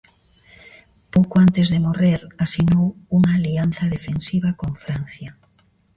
Pouco antes de morrer, asinou unha alianza defensiva con Francia.